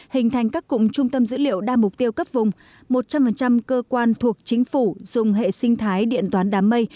hình thành các cụm trung tâm dữ liệu đa mục tiêu cấp vùng một trăm linh cơ quan thuộc chính phủ dùng hệ sinh thái điện toán đám mây